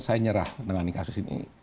saya nyerah dengan kasus ini